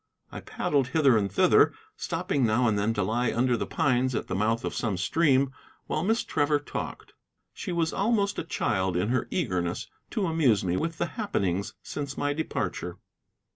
I paddled hither and thither, stopping now and then to lie under the pines at the mouth of some stream, while Miss Trevor talked. She was almost a child in her eagerness to amuse me with the happenings since my departure.